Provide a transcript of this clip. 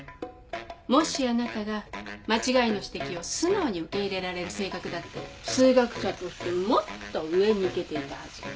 もしあなたが間違いの指摘を素直に受け入れられる性格だったら数学者としてもっと上に行けていたはず。